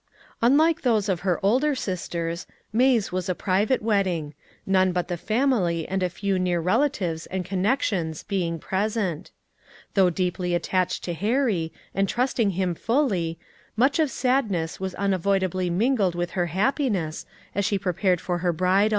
Unlike those of her older sisters, May's was a private wedding none but the family and a few near relatives and connections being present. Though deeply attached to Harry, and trusting him fully, much of sadness was unavoidably mingled with her happiness as she prepared for her bridal.